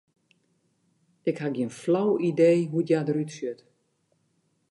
Ik ha gjin flau idee hoe't hja derút sjocht.